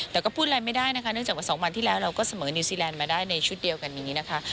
แต่ก็พูดอะไรไม่ได้นะคะเนื่องจากว่า๒วันที่แล้วเราก็เสมอนิวซีแลนด์มาได้ในชุดเดียวกันนี้นะคะ